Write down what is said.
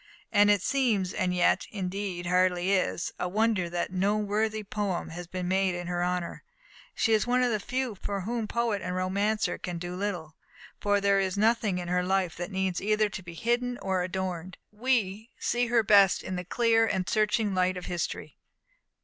And it seems and yet, indeed, hardly is a wonder that no worthy poem has been made in her honour. She is one of the few for whom poet and romancer can do little; for as there is nothing in her life that needs either to be hidden or adorned, we see her best in the clear and searching light of history.